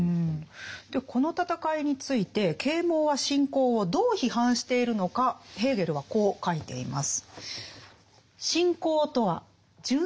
この戦いについて啓蒙は信仰をどう批判しているのかヘーゲルはこう書いています。